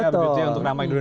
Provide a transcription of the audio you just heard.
untuk nama indonesia sentris